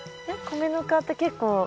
米ぬかって結構。